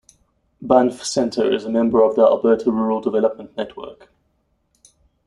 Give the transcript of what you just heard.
Banff Centre is a member of the Alberta Rural Development Network.